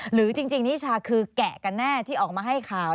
หรือจริงนิชาคือแกะกันแน่ที่ออกมาให้ข่าว